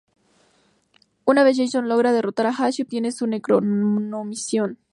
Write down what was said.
Esta vez Jason logra derrotar a Ash y obtiene su Necronomicón.